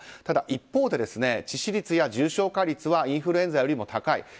ただ、一方で致死率や重症化率はインフルエンザよりも高い。